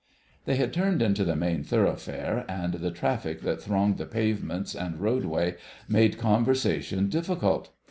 They had turned into the main thoroughfare, and the traffic that thronged the pavements and roadway made conversation difficult.